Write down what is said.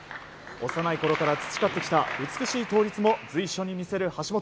幼いころから培ってきた美しい倒立も随所に見せる橋本。